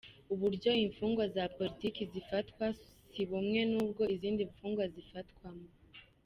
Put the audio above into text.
“Uburyo imfungwa za politiki zifatwa si bumwe n’ubwo izindi mfungwa zifatwamo.